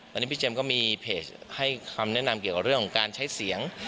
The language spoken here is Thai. วันนี้พี่เจมส์ก็มีเพจให้คำแนะนำเกี่ยวกับเรื่องของการใช้เสียง